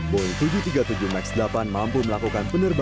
boeing tujuh ratus tiga puluh tujuh max delapan mampu melakukan penerbangan